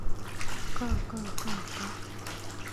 かあかあかあか